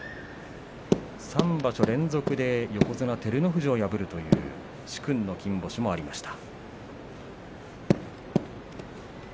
３場所連続で横綱照ノ富士を破るという殊勲の金星もありました。